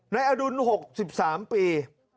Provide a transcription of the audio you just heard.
อดุล๖๓ปี